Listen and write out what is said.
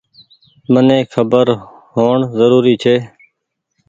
مني کبر هوئڻ زروري ڇي۔